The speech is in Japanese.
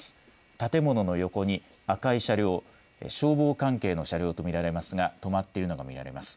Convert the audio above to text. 建物の横に赤い車両、消防関係の車両と見られますが止まっているのが見られます。